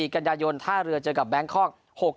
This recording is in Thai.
กันยายนท่าเรือเจอกับแบงคอก๖